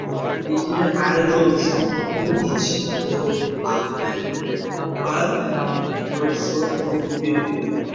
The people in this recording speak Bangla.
প্রথমে, আয়োজক শহরগুলি ছিল আহমেদাবাদ, ভুবনেশ্বর এবং নবি মুম্বই।